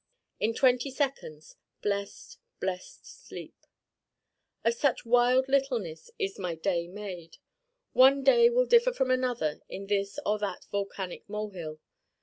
In twenty seconds blest, blest sleep. Of such wide littleness is my day made. One day will differ from another in this or that volcanic molehill.